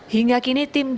hingga kini tim dvi